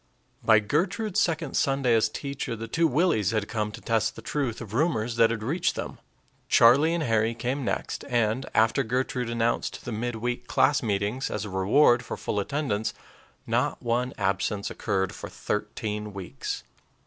By Gertrude's second Sunday as teacher, the two Willies had come to test the truth of rumors that had reached them. Charlie and Harry came next, and, after Gertrude announced the mid week class meetings as a reward for full attendance, not one absence occurred for thirteen weeks.